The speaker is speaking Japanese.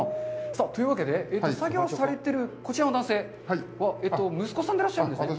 さあ、というわけで、作業されているこちらの男性は息子さんでいらっしゃるんですね？